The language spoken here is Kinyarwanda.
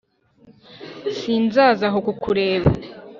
sinzaza aho kukureba